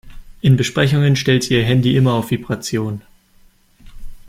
In Besprechungen stellt sie ihr Handy immer auf Vibration.